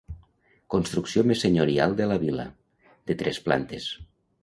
Construcció més senyorial de la vila, de tres plantes.